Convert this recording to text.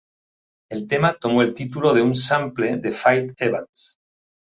El tema tomo el título de un sample de Faith Evans.